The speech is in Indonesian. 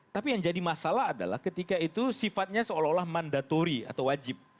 tapi yang jadi masalah adalah ketika itu sifatnya seolah olah mandatori atau wajib